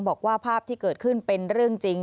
บอกว่าภาพที่เกิดขึ้นเป็นเรื่องจริง